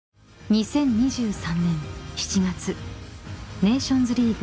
［２０２３年７月ネーションズリーグ